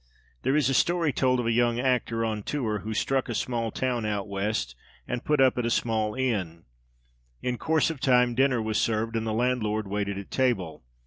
There is a story told of a young actor, on tour, who "struck" a small town out West, and put up at a small inn. In the course of time dinner was served, and the landlord waited at table.